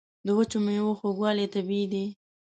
د وچو میوو خوږوالی طبیعي دی.